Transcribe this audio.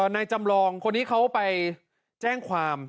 จำลองคนนี้เขาไปแจ้งความ